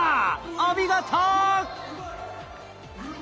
お見事！